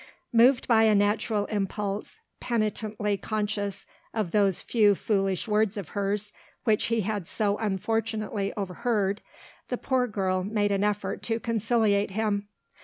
Moved by a natural impulse, penitently conscious of those few foolish words of hers which he had so unfortunately overheard, the poor girl made an effort to conciliate him.